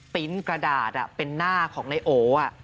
ปรินต์กระดาษเป็นหน้าของนายโอ